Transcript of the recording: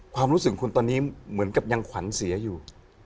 ความรู้สึกคุณตอนนี้เหมือนกับยังขวัญเสียอยู่